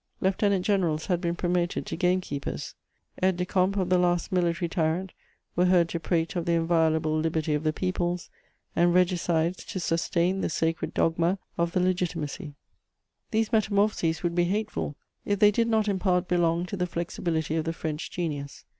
Lieutenant generals had been promoted to game keepers. Aides de camp of the last military tyrant were heard to prate of the inviolable liberty of the peoples, and regicides to sustain the sacred dogma of the Legitimacy. These metamorphoses would be hateful, if they did not in part belong to the flexibility of the French genius.